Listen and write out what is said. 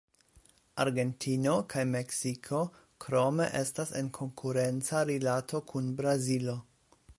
Argentino kaj Meksiko krome estas en konkurenca rilato kun Brazilo.